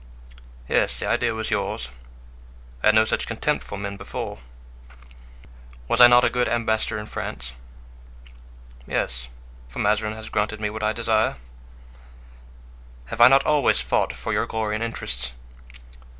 "Yes, the idea was yours. I had no such contempt for men before." "Was I not a good ambassador in France?" "Yes, for Mazarin has granted what I desire." "Have I not always fought for your glory and interests?"